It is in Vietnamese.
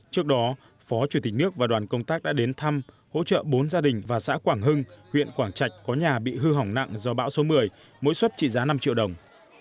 trước đó phó chủ tịch nước và đoàn công tác đã đến thăm hỗ trợ bốn gia đình và xã quảng hưng huyện quảng trạch có nhà bị hư hỏng nặng do bão số một mươi mỗi xuất trị giá năm triệu đồng